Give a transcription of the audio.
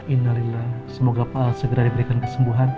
inalila semoga pak al segera diberikan kesembuhan